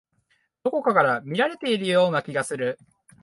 どこかから見られているような気がする。